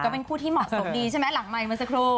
เป็นคู่ที่เหมาะสมดีใช่ไหมหลังไมค์เมื่อสักครู่